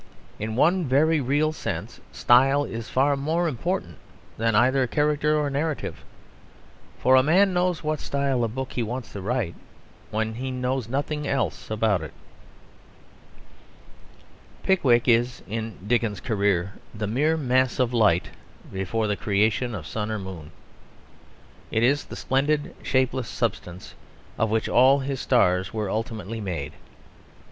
In one very real sense style is far more important than either character or narrative. For a man knows what style of book he wants to write when he knows nothing else about it. Pickwick is in Dickens's career the mere mass of light before the creation of sun or moon. It is the splendid, shapeless substance of which all his stars were ultimately made.